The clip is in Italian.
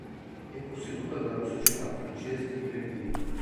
È posseduta dalla società francese Vivendi.